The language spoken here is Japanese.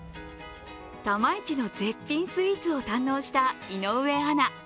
タマイチの絶品スイーツを堪能した井上アナ。